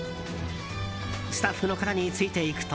スタッフの方についていくと。